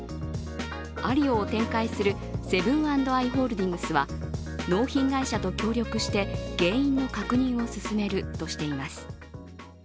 アリオを展開するセブン＆アイ・ホールディングスは納品会社と協力して、原因の確認を進めるとしています。